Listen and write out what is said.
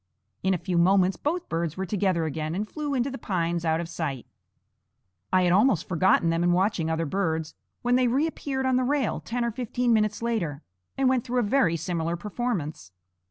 In a few moments both birds were together again and flew into the pines out of sight. I had almost forgotten them in watching other birds, when they reappeared on the rail, ten or fifteen minutes later, and went through a very similar performance.